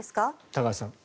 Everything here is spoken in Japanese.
高橋さん。